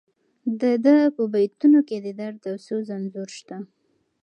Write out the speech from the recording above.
د ده په بیتونو کې د درد او سوز انځور شته.